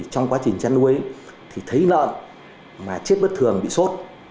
trong quá trình chăn nuôi thì thấy lợn mà chết bất thường bị sốt